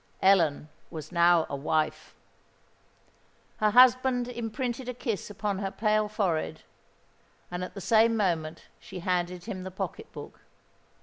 Ellen was now a wife! Her husband imprinted a kiss upon her pale forehead; and at the same moment she handed him the pocket book.